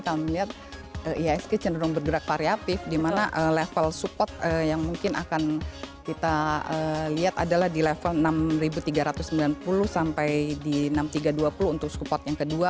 kami melihat ihsg cenderung bergerak variatif di mana level support yang mungkin akan kita lihat adalah di level enam tiga ratus sembilan puluh sampai di enam ribu tiga ratus dua puluh untuk support yang kedua